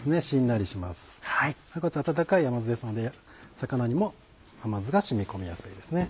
なおかつ温かい甘酢ですので魚にも甘酢が染み込みやすいですね。